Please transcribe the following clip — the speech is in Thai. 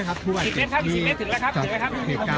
ก็ไม่มีใครกลับมาเมื่อเวลาอาทิตย์เกิดขึ้น